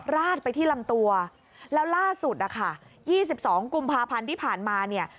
ราดไปที่ลำตัวแล้วล่าสุดนะคะ๒๒กุมภาพันธ์ที่ผ่านมาเนี่ย